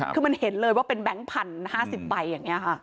คือมันเห็นเลยว่าเป็นแบงค์พันธุ์๕๐ใบอย่างนี้ค่ะ